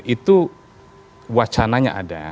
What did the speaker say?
itu wacananya ada